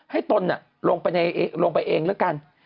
ตนลงไปเองแล้วกัน